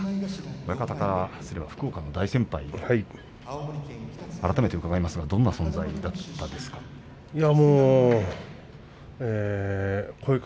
親方からすれば福岡の大先輩改めて伺いますがどんな存在だったですか。